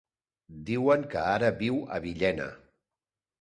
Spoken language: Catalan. Diuen que ara viu a Villena.